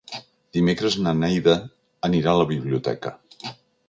Dimecres na Neida anirà a la biblioteca.